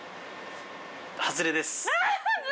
外れです。